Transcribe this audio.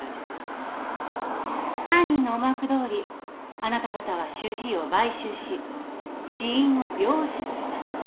犯人の思惑どおりあなた方は主治医を買収し死因を病死と書かせた。